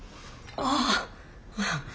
ああ。